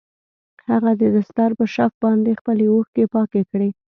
هغه د دستار په شف باندې خپلې اوښکې پاکې کړې.